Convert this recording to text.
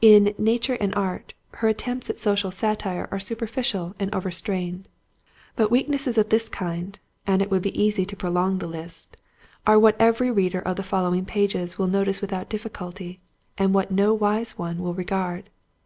In Nature and Art, her attempts at social satire are superficial and overstrained. But weaknesses of this kind—and it would be easy to prolong the list—are what every reader of the following pages will notice without difficulty, and what no wise one will regard.